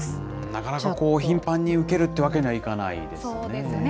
なかなかこう、頻繁に受けるってわけにはいかないですね。